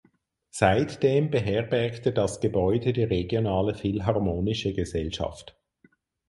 Seitdem beherbergte das Gebäude die regionale philharmonische Gesellschaft.